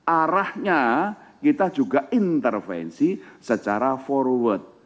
arahnya kita juga intervensi secara forward